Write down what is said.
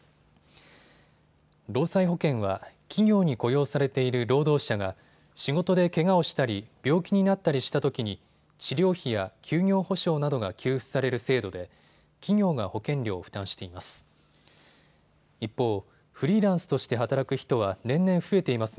労災保険は企業に雇用されている労働者が仕事でけがをしたり病気になったりしたときに治療費や休業補償などが給付される制度で企業が保険料を負担しています。